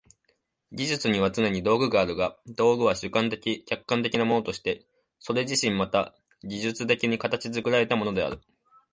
技術にはつねに道具があるが、道具は主観的・客観的なものとしてそれ自身また技術的に形作られたものである。